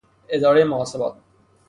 ادارهُ محاسبات